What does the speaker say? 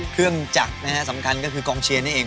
เครื่องจักรนะฮะสำคัญก็คือกองเชียร์นี่เอง